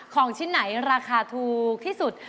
ของชิ้นไหนราคาถูกที่สุด